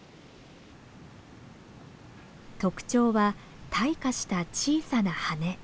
特徴は退化した小さな羽。